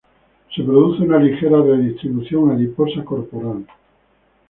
Se produce una ligera redistribución adiposa corporal.